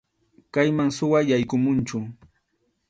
Kayman suwa yaykumunchu.